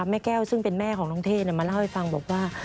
แม่แก้วซึ่งเป็นแม่ของน้องเท่มาเล่าให้ฟังบอกว่า